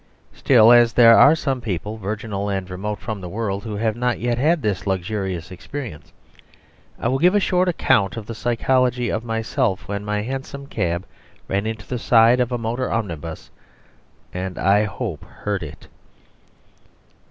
Still, as there are some people, virginal and remote from the world, who have not yet had this luxurious experience, I will give a short account of the psychology of myself when my hansom cab ran into the side of a motor omnibus, and I hope hurt it.